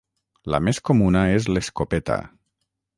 La més comuna és l'escopeta.